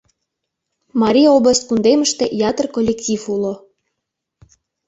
Марий область кундемыште ятыр коллектив уло.